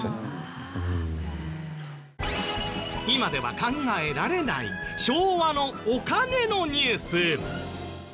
今では考えられない昭和のお金のニュース。